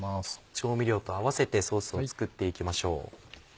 調味料と合わせてソースを作っていきましょう。